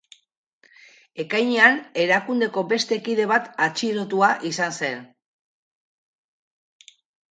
Ekainean erakundeko beste kide bat atxilotua izan zen.